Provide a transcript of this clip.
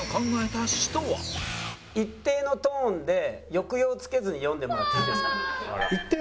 「一定のトーンで抑揚つけずに読んでもらっていいですか？」。